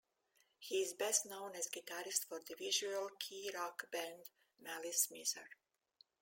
He is best known as guitarist for the visual kei rock band Malice Mizer.